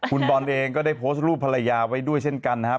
คุณบอลเองก็ได้โพสต์รูปภรรยาไว้ด้วยเช่นกันนะครับ